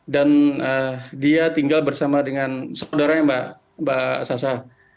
dan dia tinggal bersama dengan saudaranya mbak sasa